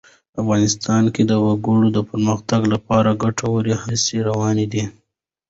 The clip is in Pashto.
افغانستان کې د وګړي د پرمختګ لپاره ګټورې هڅې روانې دي.